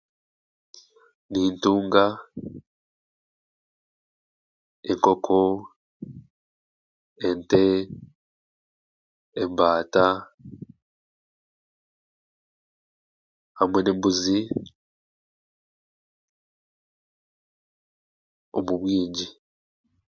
Nintunga enkoko, ente, embaata hamwe n'embuzi omu bwingi.